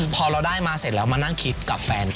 พอเราได้มาเสร็จแล้วมานั่งคิดกับแฟน